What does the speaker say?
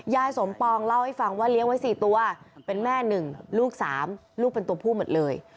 ยายสมปองเล่าให้ฟังว่าเลี้ยงไว้๔ตัวเป็นแม่๑ลูก๓ลูกเป็นตัวผู้หมดเลย